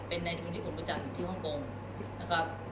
เป็นในทุนที่ผมประจำที่ฮ่องโปรงนะครับ